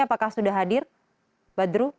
apakah sudah hadir badru